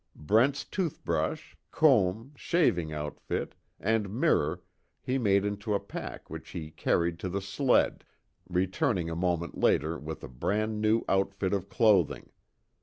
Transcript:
Brent's tooth brush, comb, shaving outfit, and mirror he made into a pack which he carried to the sled, returning a moment later with a brand new outfit of clothing.